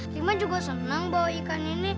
rima juga senang bawa ikan ini